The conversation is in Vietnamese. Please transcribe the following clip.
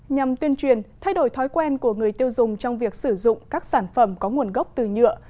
nhằm tuyên truyền thay đổi thói quen của người tiêu dùng trong việc sử dụng các sản phẩm có nguồn gốc từ nhựa